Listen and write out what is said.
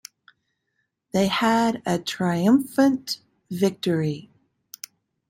They had a triumphant victory.